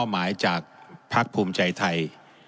หมายจากภักดิ์ภูมิใจไทย